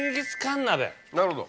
なるほど。